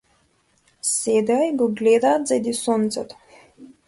Седеа и го гледаат зајдисонцето.